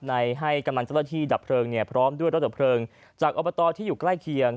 ให้กำลังเจ้าหน้าที่ดับเพลิงพร้อมด้วยรถดับเพลิงจากอบตที่อยู่ใกล้เคียง